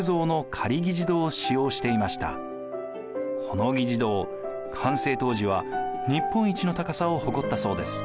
この議事堂完成当時は日本一の高さを誇ったそうです。